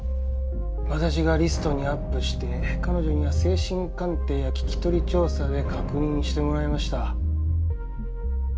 私がリストにアップして彼女には精神鑑定や聞き取り調査で確認してもらいました。